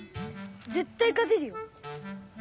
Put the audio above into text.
ぜったいかてるよ！